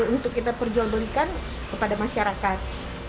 untuk kita perjualbelikan kepada masyarakat